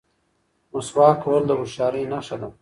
مسواک وهل د هوښیارۍ نښه ده.